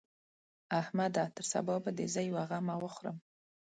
احمده! تر سبا به دې زه يوه غمه وخورم.